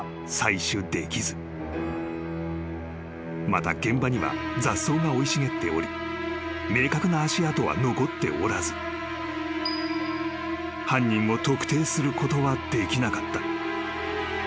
［また現場には雑草が生い茂っており明確な足跡は残っておらず犯人を特定することはできなかった］